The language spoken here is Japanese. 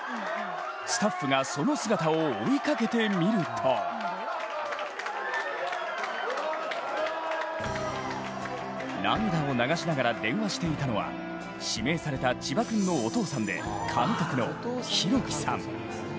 スタッフがその姿を追いかけてみると涙を流しながら電話していたのは指名された千葉君のお父さんで監督の広規さん。